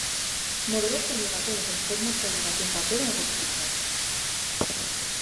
Moderatzaile baten eta informatzaile baten papera egokitu zait.